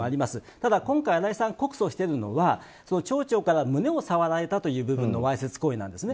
ただ、今回新井さんが告訴をしているのは町長から胸を触られたという部分のわいせつ行為なんですね。